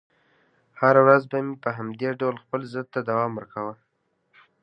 هره ورځ به مې په همدې ډول خپل ضد ته دوام ورکاوه.